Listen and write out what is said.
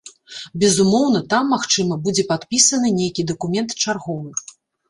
Безумоўна, там, магчыма, будзе падпісаны нейкі дакумент чарговы.